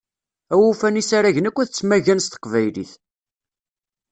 Awufan isaragen akk ad ttmaggan s teqbaylit.